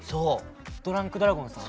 ドランクドラゴンさん。